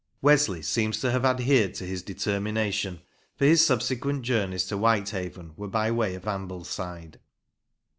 Wesley seems to have adhered to his determination, for his subsequent journeys to Whitehaven were by way of Ambleside.